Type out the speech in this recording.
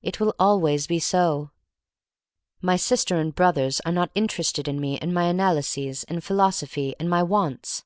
It will always be so. My sister and brothers are not inter ested in me and my analyses and philosophy, and my wants.